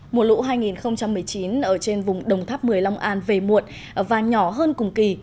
mùa lũ hai nghìn một mươi chín ở trên vùng đồng tháp một mươi long an về muộn và nhỏ hơn cùng kỳ